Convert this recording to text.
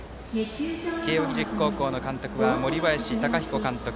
慶応義塾高校の監督は森林貴彦監督。